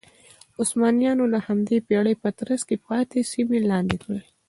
عثمانیانو د همدې پېړۍ په ترڅ کې پاتې سیمې لاندې کړې.